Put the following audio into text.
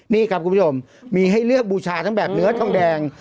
นี่ครับคุณผู้ชมมีให้เลือกบูชาทั้งแบบเนื้อทองแดง